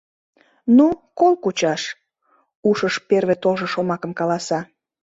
— Ну, кол кучаш... — ушыш первый толшо шомакым каласа.